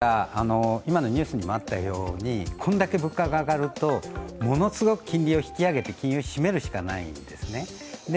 ただ、今のニュースにもあったようにこれだけ物価が上がると、ものすごく金利を引き上げて金融を締めるしかないんですね。